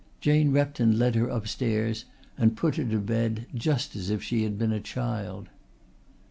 Jane Repton led her upstairs and put her to bed just as if she had been a child.